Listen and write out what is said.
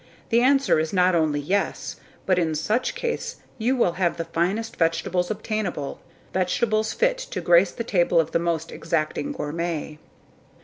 The answer is not only yes, but in such case you will have the finest vegetables obtainable, vegetables fit to grace the table of the most exacting gourmet."